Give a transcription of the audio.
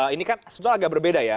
ini kan sebetulnya agak berbeda ya